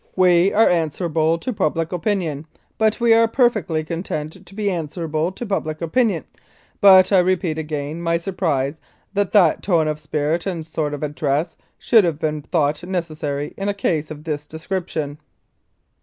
We are answerable to public 197 Mounted Police Life in Canada opinion, and we are perfectly content to be answerable to public opinion, but I repeat again my surprise that that tone of spirit and sort of address should have been thought necessary in a case of this description."